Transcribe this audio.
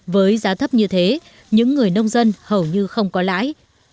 với giá thấp như thế những người nông dân hầu như không có lãi